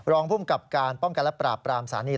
รองภูมิกับการป้องกันและปราบปรามสถานี